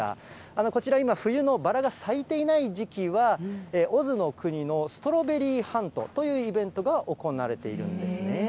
こちら今、冬のバラが咲いていない時期は、オズの国のストロベリーハントというイベントが行われているんですね。